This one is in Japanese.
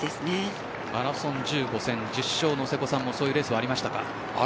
マラソン１５戦１０勝の瀬古さんもそういうレースはありますか。